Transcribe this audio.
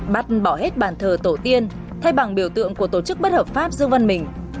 bắt bỏ hết bàn thờ tổ tiên thay bằng biểu tượng của tổ chức bất hợp pháp dương văn mình